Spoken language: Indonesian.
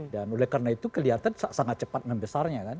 dan oleh karena itu kelihatan sangat cepat membesarnya kan